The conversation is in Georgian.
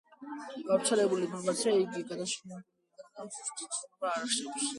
გავრცელებული ინფორმაციით იგი გადაშენებულია, მაგრამ ზუსტი ცნობა არ არსებობს.